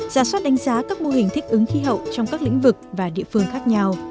giả soát đánh giá các mô hình thích ứng khí hậu trong các lĩnh vực và địa phương khác nhau